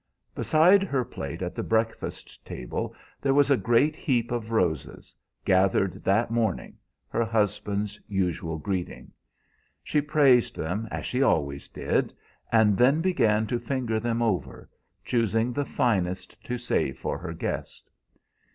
Beside her plate at the breakfast table there was a great heap of roses, gathered that morning, her husband's usual greeting. She praised them as she always did, and then began to finger them over, choosing the finest to save for her guest.